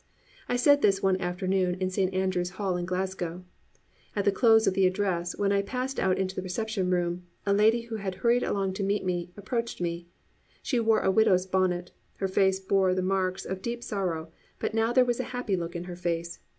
I said this one afternoon in Saint Andrews Hall in Glasgow. At the close of the address, when I passed out into the reception room, a lady who had hurried along to meet me, approached me. She wore a widow's bonnet, her face bore the marks of deep sorrow, but now there was a happy look in her face.